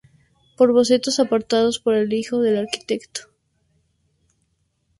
Por bocetos aportados por el hijo del Arq.